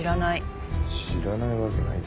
知らないわけないって。